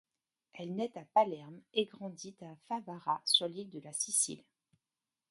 Elle naît à Palerme et grandit à Favara sur l'île de la Sicile.